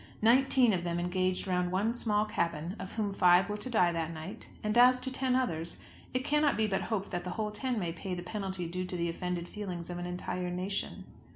Nineteen of them engaged round one small cabin, of whom five were to die that night; and as to ten others, it cannot but be hoped that the whole ten may pay the penalty due to the offended feelings of an entire nation!